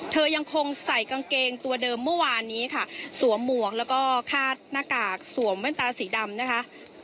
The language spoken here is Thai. ยังคงใส่กางเกงตัวเดิมเมื่อวานนี้ค่ะสวมหมวกแล้วก็คาดหน้ากากสวมแว่นตาสีดำนะคะ